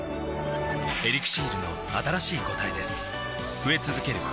「エリクシール」の新しい答えです